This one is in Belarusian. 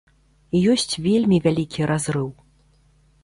Ёсць вельмі вялікі разрыў.